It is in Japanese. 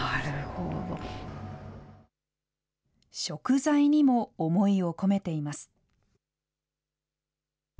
食材にも思いを込めています。